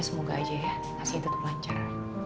semoga aja ya kasihnya tetep lancar